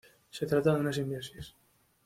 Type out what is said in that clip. Se trata de una simbiosis.